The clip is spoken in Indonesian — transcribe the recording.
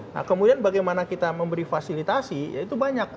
nah kemudian bagaimana kita memberi fasilitasi ya itu banyak